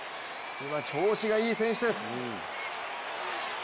今、調子がいい選手です。